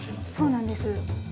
そうなんです。